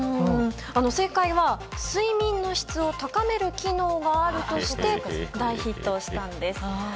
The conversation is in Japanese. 正解は、睡眠の質を高める機能があるとして大ヒットしたんです。